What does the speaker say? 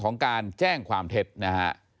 ของการแจ้งความเท็จนะฮะ